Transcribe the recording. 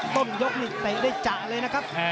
ต้นยกนี่เตะได้จะเลยนะครับ